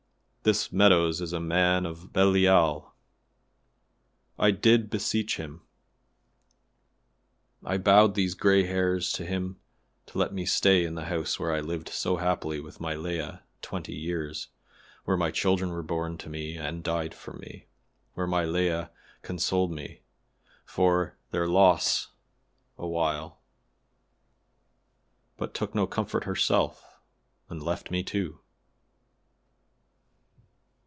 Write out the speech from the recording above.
This Meadows is a man of Belial. I did beseech him; I bowed these gray hairs to him to let me stay in the house where I lived so happily with my Leah twenty years, where my children were born to me and died from me, where my Leah consoled me for their loss a while, but took no comfort herself and left me, too."